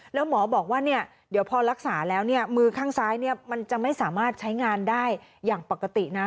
แล้วหมอบอกว่าเดี๋ยวพอรักษาแล้วมือข้างซ้ายมันจะไม่สามารถใช้งานได้อย่างปกตินะ